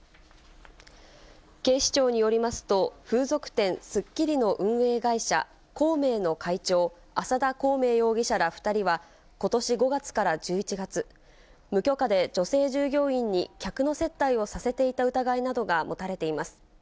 警視庁によりますと、風俗店、スッキリの運営会社、孔明の会長、浅田孔明容疑者ら２人は、ことし５月から１１月、無許可で女性従業員に客の接待をさせていた疑いなどが持たれています。